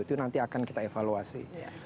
itu nanti akan kita evaluasi